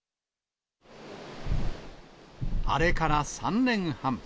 あれから３年半。